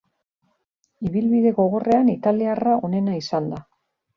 Ibilbide gogorrean, italiarra onena izan da.